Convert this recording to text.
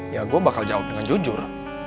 ya gue bakal jawab dengan jujur